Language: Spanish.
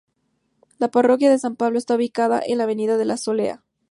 La parroquia de San Pablo está ubicada en la avenida de la Soleá.